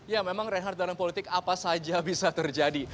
ya memang reinhardt dalam politik apa saja bisa terjadi